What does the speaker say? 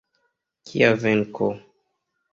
Kia venko.